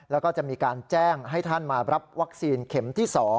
แล้วก็จะมีการแจ้งให้ท่านมารับวัคซีนเข็มที่๒